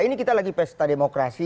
ini kita lagi pesta demokrasi